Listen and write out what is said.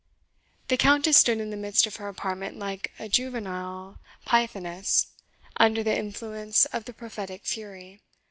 The Countess stood in the midst of her apartment like a juvenile Pythoness under the influence of the prophetic fury.